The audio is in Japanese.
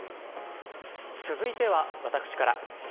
続いては、私から。